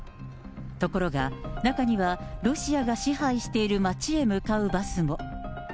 ところが、中にはロシアが支配している街へ向かうバスも。